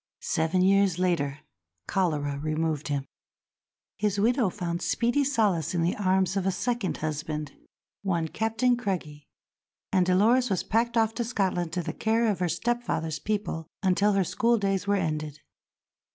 Seven years later cholera removed him; his widow found speedy solace in the arms of a second husband, one Captain Craigie; and Dolores was packed off to Scotland to the care of her stepfather's people until her schooldays were ended.